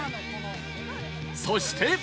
そして